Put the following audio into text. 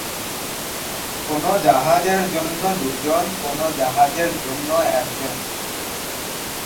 কোনো জাহাজের জন্য দুজন, কোনো জাহাজের জন্য একজন।